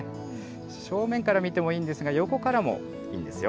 正面から見てもいいんですが、横からもいいんですよ。